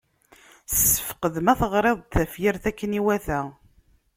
Ssefqed ma teɣriḍ-d tafyirt akken iwata.